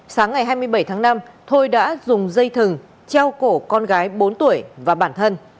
sáng ngày hai mươi bảy tháng năm thôi đã dùng dây thừng treo cổ con gái bốn tuổi và bản thân